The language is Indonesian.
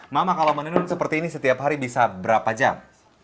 mama kalau menenun seperti ini setiap hari bisa berapa jam